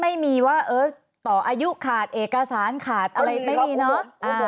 ไม่มีว่าต่ออายุขาดเอกสารขาดอะไรไม่มีเนอะ